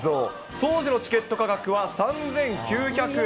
当時のチケット価格は３９００円。